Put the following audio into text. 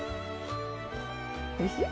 おいしい？